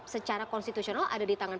secara konstitusional ada di tangan